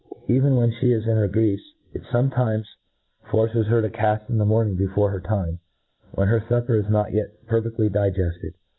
Even when fhe is in her greafc, it fometimes forces her to cal^ in the mornings before her time, whcnjicr fuppcr is not yet per ' fcftly digefted.